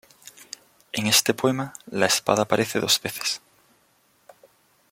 En este poema la espada aparece dos veces.